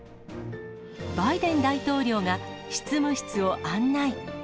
バイデン大統領が執務室を案内。